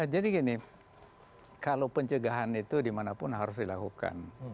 jadi gini kalau pencegahan itu dimanapun harus dilakukan